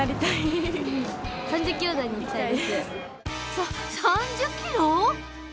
さ３０キロ！？